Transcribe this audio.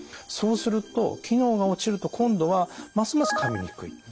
そうすると機能が落ちると今度はますますかみにくい。